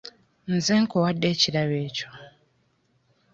Nze nkuwadde ekirabo ekyo.